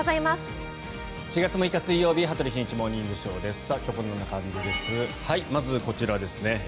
まずこちらですね。